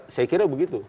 saya kira begitu